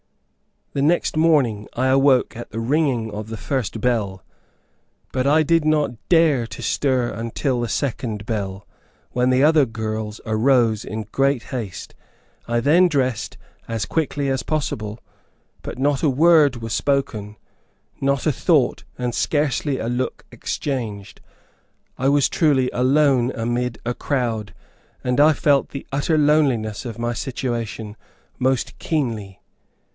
The next morning, I awoke at the ringing of the first bell, but I did not dare to stir until the second bell, when the other little girls arose in great haste. I then dressed as quickly as possible, but not a word was spoken not a thought, and scarcely a look exchanged. I was truly "alone amid a crowd," and I felt the utter loneliness of my situation most keenly.